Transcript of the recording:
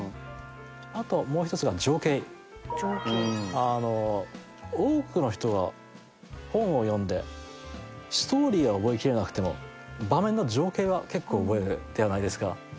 あともう１つが「情景」「情景」多くの人は本を読んでストーリーは覚え切れなくても場面の情景は結構覚えてはないですか。